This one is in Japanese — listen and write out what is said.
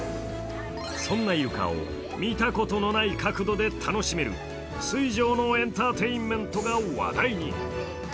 そんなイルカを見たことのない角度で楽しめる水上のエンターテインメントが話題に。